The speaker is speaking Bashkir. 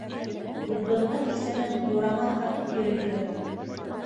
Детдомдың исемен юрамал һатып йөрөйһөгөҙ.